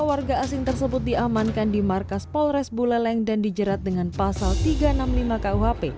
dua puluh warga asing tersebut diamankan di markas polres buleleng dan dijerat dengan pasal tiga ratus enam puluh lima kuhp